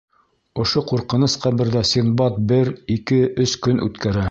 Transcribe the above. Ошо ҡурҡыныс ҡәберҙә Синдбад бер, ике, өс көн үткәрә.